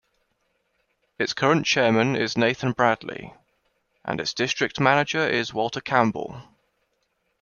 Its current chairman is Nathan Bradley, and its district manager is Walter Campbell.